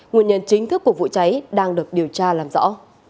nguyên nhân chính thức của vụ cháy đang được điều tra làm rõ